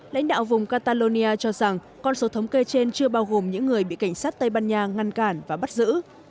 lãnh đạo vùng catalonia cho rằng con số thống kê trên chưa bao gồm những người bị cảnh sát tây ban nha ngăn cản và bắt giữ